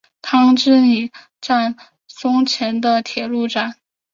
汤之里站松前线的铁路站。